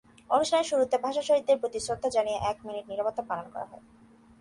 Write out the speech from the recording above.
অনুষ্ঠানের শুরুতে ভাষাশহীদদের প্রতি শ্রদ্ধা জানিয়ে এক মিনিট নীরবতা পালন করা হয়।